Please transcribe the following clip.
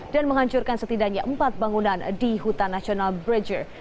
dan menghancurkan setidaknya empat bangunan di hutan nasional bridger